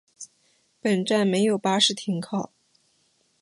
本站没有巴士停靠。